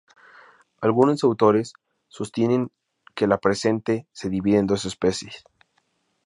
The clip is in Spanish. Algunos autores sostienen que la presente se divide en dos especies.